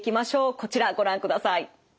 こちらご覧ください。